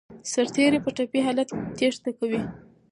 سرتیري په ټپي حالت تېښته کوي.